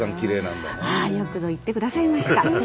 ああよくぞ言ってくださいました。